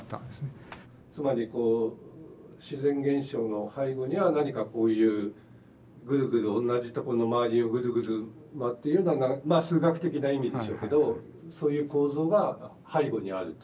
つまりこう自然現象の背後には何かこういうグルグル同じところの周りをグルグル回っているようなまあ数学的な意味でしょうけどそういう構造が背後にあるという。